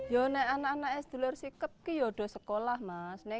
ya anak anak sedulur sikap itu sudah sekolah mas